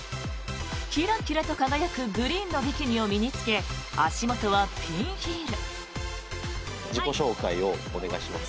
キラキラと輝くグリーンのビキニを身に着け足元はピンヒール。